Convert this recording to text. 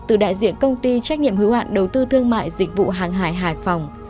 từ đại diện công ty trách nhiệm hứa hoạn đầu tư thương mại dịch vụ hàng hải hải phòng